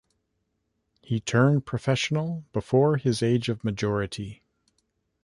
He turned professional before his age of majority.